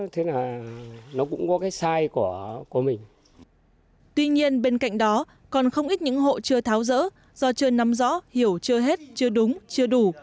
tuy nhiên bên cạnh đó còn không ít những hộ chưa tháo rỡ do chưa nắm rõ hiểu chưa hết chưa đúng chưa đủ